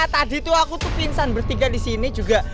tadi tuh aku tuh pingsan bertiga disini juga